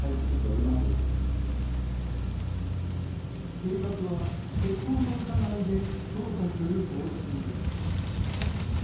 警察は窃盗の疑いで捜査する方針です。